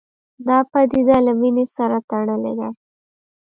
دا پدیده له وینې سره تړلې ده